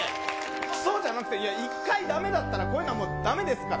くそじゃなくて、１回だめだったらこういうのはもう、だめですから。